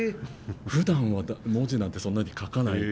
ふだんは文字なんてそんなに書かない。